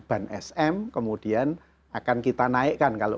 ban sm kemudian akan kita naikkan kalau